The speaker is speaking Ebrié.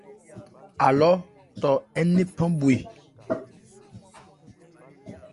Alɔ 'tɔ ńnephan bhwe.